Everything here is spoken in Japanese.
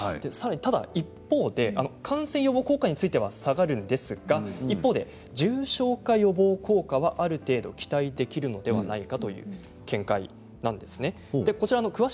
一方で感染予防効果については下がるんですが重症化予防効果はある程度期待できるのではないかという見解もあります。